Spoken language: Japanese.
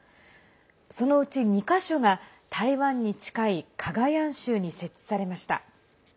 そのうち２か所が台湾に近いカガヤン州に設置されました。